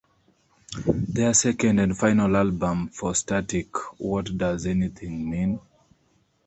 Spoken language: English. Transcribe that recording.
Their second and final album for Statik, What Does Anything Mean?